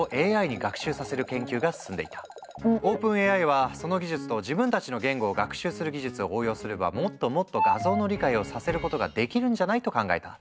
ＯｐｅｎＡＩはその技術と自分たちの言語を学習する技術を応用すればもっともっと画像の理解をさせることができるんじゃない？と考えた。